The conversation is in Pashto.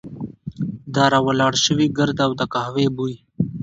د را ولاړ شوي ګرد او د قهوې بوی.